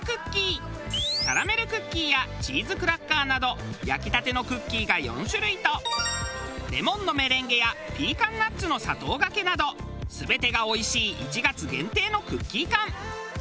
キャラメルクッキーやチーズクラッカーなど焼きたてのクッキーが４種類とレモンのメレンゲやピーカンナッツの砂糖がけなど全てがおいしい１月限定のクッキー缶。